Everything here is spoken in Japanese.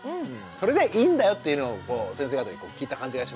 それでいいんだよっていうのを先生方に聞いた感じがしますよね。